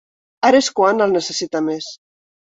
Ara és quan el necessita més.